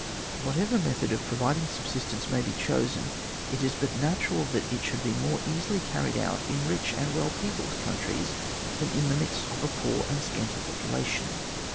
Whatever method of providing sub sistence may be chosen, it is but natural that it shotdd be more easily carried out in rich and well peopled countries, than in the midst of a poor and scanty popu lation.